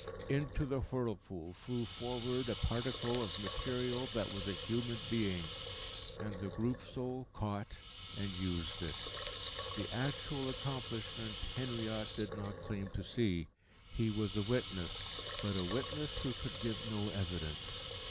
Into the whirlpool flew forward a particle of material that was a human being. And the Group Soul caught and used it. The actual accomplishment Henriot did not claim to see. He was a witness, but a witness who could give no evidence.